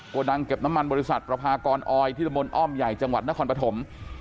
ดังเก็บน้ำมันบริษัทประพากรอออยที่ระมนอ้อมใหญ่จังหวัดนครปฐม